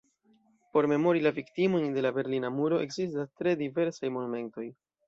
Por memori la viktimojn de la berlina muro ekzistas tre diversaj monumentoj.